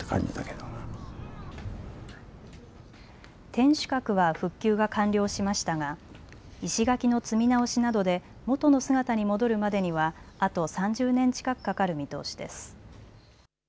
天守閣は復旧が完了しましたが石垣の積み直しなどで元の姿に戻るまでにはあと３０年近くかかる見通しです。